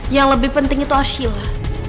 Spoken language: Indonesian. yang lebih penting itu ashila